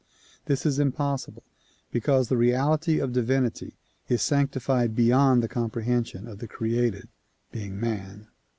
This is impossible because the reality of divinity is sanctified beyond the comprehension of the created being man.